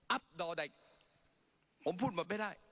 อัพดอเด็กผมพูดหมดไม่ได้